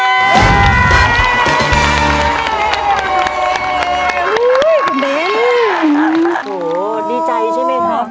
เฮ้คุณเด้นโหดีใจใช่ไหมครับ